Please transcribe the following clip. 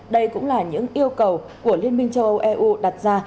đây cũng là những yêu cầu của liên minh châu âu eu đặt ra